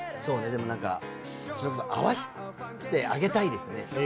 でもそれこそ会わしてあげたいですね。